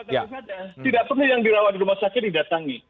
tidak pernah yang dirawat di rumah sakit didatangi